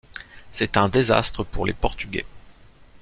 C'est un désastre pour les Portugais.